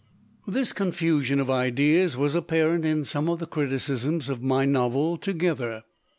"This confusion of ideas was apparent in some of the criticisms of my novel Together.